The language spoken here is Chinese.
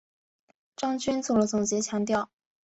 张军作了总结强调